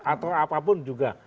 atau apapun juga